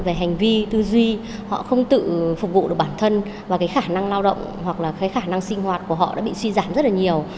về hành vi tư duy họ không tự phục vụ được bản thân và khả năng lao động hoặc khả năng sinh hoạt của họ đã bị suy giảm rất nhiều